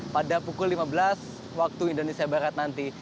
pada pukul lima belas waktu indonesia barat nanti